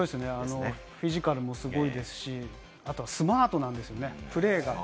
フィジカルもすごいですし、あとスマートなんですね、プレーが。